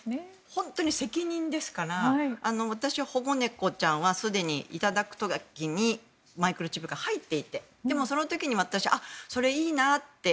本当に責任ですから私は保護猫ちゃんはすでに頂く時にマイクロチップが入っていてでもその時に私それいいなって。